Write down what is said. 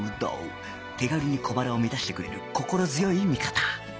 手軽に小腹を満たしてくれる心強い味方